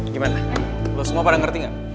gimana lo semua pada ngerti gak